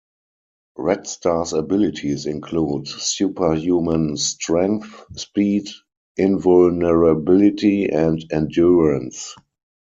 Red Star's abilities include superhuman strength, speed, invulnerability, and endurance.